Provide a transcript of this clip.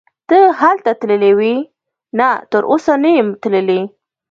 ته هلته تللی وې؟ نه تراوسه نه یم تللی.